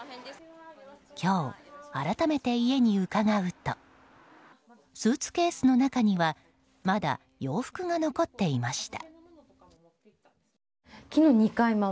今日、改めて家に伺うとスーツケースの中にはまだ洋服が残っていました。